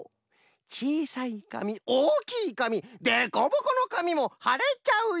「ちいさいかみおおきいかみでこぼこのかみもはれちゃうよ」。